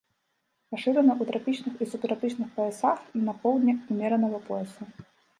Пашыраны ў трапічных і субтрапічных паясах, на поўдні ўмеранага пояса.